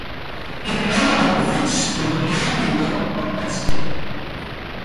Ik helle op 'e fyts troch rein en wyn myn boadskippen.